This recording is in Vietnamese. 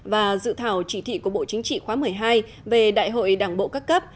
và dự thảo chỉ thị của bộ chính trị khóa một mươi hai về đại hội đảng bộ các cấp